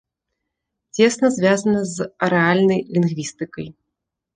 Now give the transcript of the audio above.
Цесна звязана з арэальнай лінгвістыкай.